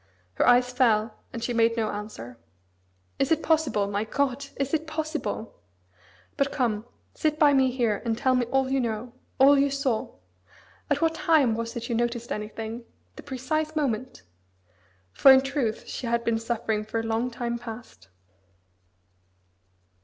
Her eyes fell, and she made no answer. "Is it possible, my God, is it possible? But come, sit by me here, and tell me all you know, all you saw. At what time was it you noticed anything the precise moment?" For in truth she had been suffering for a long time past.